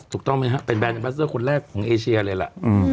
ถูกต้องไหมฮะเป็นแรนดัสเตอร์คนแรกของเอเชียเลยล่ะ